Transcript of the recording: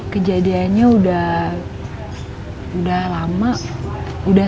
kejadiannya udah lama udah